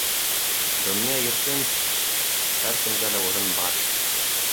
Донъя иркен, һәр кемгә лә урын бар.